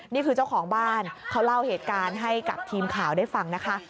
นี่คือเจ้าของบ้านเขาเล่าเหตุการณ์ให้กับทีมข่าวได้ฟังนะคะ